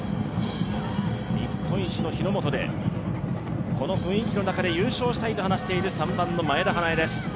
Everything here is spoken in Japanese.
日本一の日ノ本で、この雰囲気の中で優勝したいと話している３番の前田花依です。